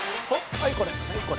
はいこれ。